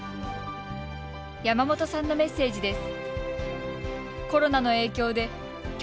山本さんのメッセージです。